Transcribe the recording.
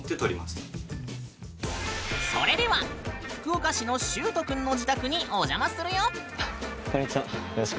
それでは福岡市のしゅうと君の自宅にお邪魔するよ。